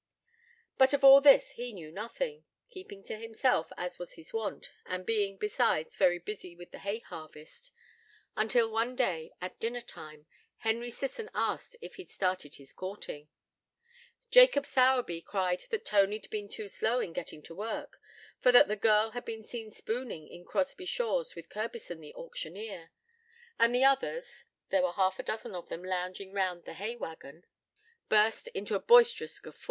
But of all this he knew nothing keeping to himself, as was his wont, and being, besides, very busy with the hay harvest until one day, at dinner time, Henry Sisson asked if he'd started his courting; Jacob Sowerby cried that Tony'd been too slow in getting to work, for that the girl had been seen spooning in Crosby Shaws with Curbison the auctioneer, and the others (there were half a dozen of them lounging round the hay waggon) burst into a boisterous guffaw.